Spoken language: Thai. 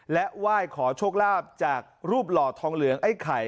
และไหว้ขอโชคลาภจากรูปหล่อทองเหลืองไอ้ไข่